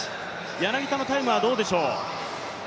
柳田のタイムはどうでしょう？